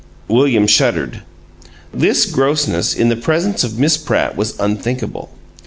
William shuddered. This grossness in the presence of Miss Pratt was unthinkable.